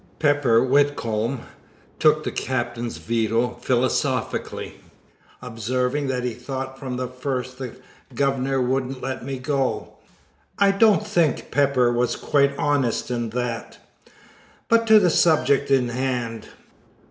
Pepper Whitcomb took the Captain's veto philosophically, observing that he thought from the first the governor wouldn't let me go. I don't think Pepper was quite honest in that. But to the subject in hand.